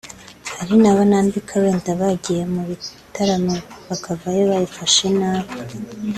hari n’abo nambika wenda bagiye mu bitaramo bakavayo bayifashe nabi